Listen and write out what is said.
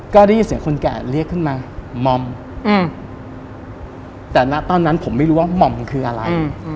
ก็ได้ยินเสียงคนแก่เรียกขึ้นมาหม่อมแต่ณตอนนั้นผมไม่รู้ว่าหม่อมคืออะไร